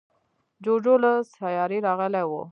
جوجو له سیارې راغلی و.